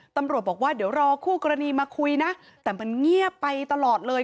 ตำรวจบอกว่าเดี๋ยวรอคู่กรณีมาคุยนะแต่มันเงียบไปตลอดเลย